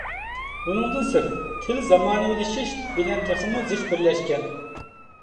بۇنىڭدىن سىرت، تىل زامانىۋىلىشىش بىلەن تېخىمۇ زىچ بىرلەشكەن.